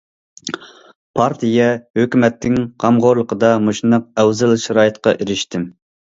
پارتىيە، ھۆكۈمەتنىڭ غەمخورلۇقىدا مۇشۇنداق ئەۋزەل شارائىتقا ئېرىشتىم.